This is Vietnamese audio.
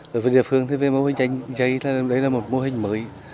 đối với địa phương với mô hình chanh dây đấy là một mô hình mới